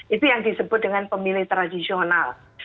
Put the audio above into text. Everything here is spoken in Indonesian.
itu yang disebut dengan pemilih tradisional